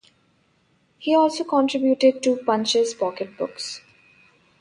He also contributed to "Punch's Pocket Books".